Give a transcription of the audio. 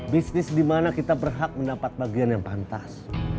bisnis di mana kita berhak mendapat bagian yang pantas